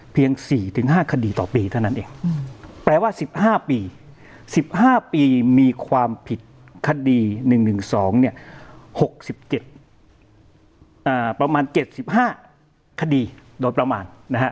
เพียง๔ถึง๕คดีต่อปีเท่านั้นเองแปลว่า๑๕ปี๑๕ปีมีความผิดคดี๑๑๒ประมาณ๗๕คดีโดยประมาณ